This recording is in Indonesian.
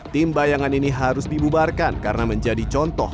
tim bayangan ini harus dibubarkan karena menjadi contoh